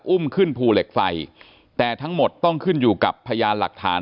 อุ้มขึ้นภูเหล็กไฟแต่ทั้งหมดต้องขึ้นอยู่กับพยานหลักฐาน